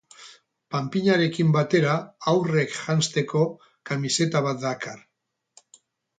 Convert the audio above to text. Panpinarekin batera haurrek janzteko kamiseta bat dakar.